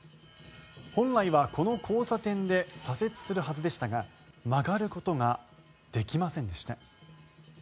本来は、この交差点で左折するはずでしたが曲がることができませんでした。